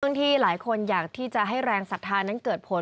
เรื่องที่หลายคนอยากที่จะให้แรงสัตว์ธานั้นเกิดผล